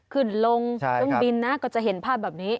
ขึ้นลงเครื่องบินนะก็จะเห็นภาพแบบนี้